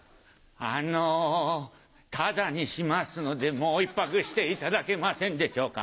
あのタダにしますのでもう１泊していただけませんでしょうか。